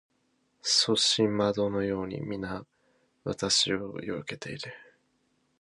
阻止円のように皆私を避けている